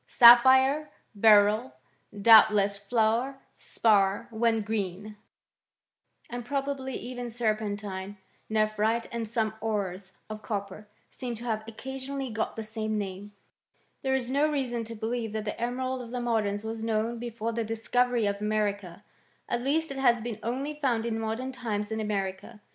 Sapphire , beryl , doubtless fluor spar whea J green, and probably even serpentine, nephrite, an& < some ores of copper, seem to have occasionally got the ^ same name. There is no reason to believe that theT emerald of the modems was known before the discoC very of America. At least it has been only found in modern times in America.